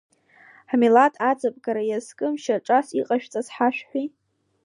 Ҳмилаҭ аҵабгара иазкым шьаҿас иҟашәҵаз ҳашәҳәеи!